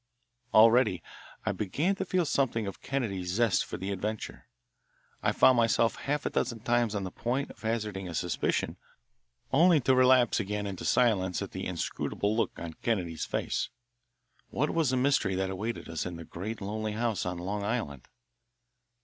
Already I began to feel something of Kennedy's zest for the adventure. I found myself half a dozen times on the point of hazarding a suspicion, only to relapse again into silence at the inscrutable look on Kennedy's face. What was the mystery that awaited us in the great lonely house on Long Island?